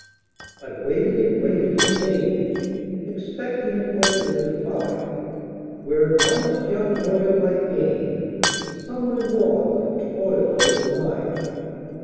"I've waited and waited in vain, Expecting an 'opening' to find, Where an honest young lawyer might gain Some reward for toil of his mind.